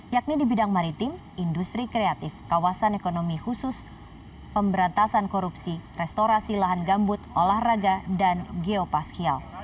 yakni di bidang maritim industri kreatif kawasan ekonomi khusus pemberantasan korupsi restorasi lahan gambut olahraga dan geopaskial